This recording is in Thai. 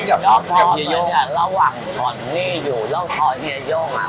ก็พอตอนระหว่างธอนี่อยู่แล้วพอเยี่ยโย่งอะ